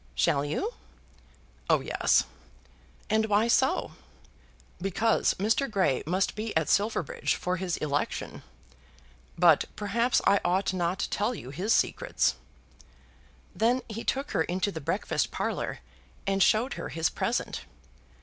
"Shall you?" "Oh yes." "And why so?" "Because Mr. Grey must be at Silverbridge for his election. But perhaps I ought not tell you his secrets." Then he took her into the breakfast parlour and showed her his present.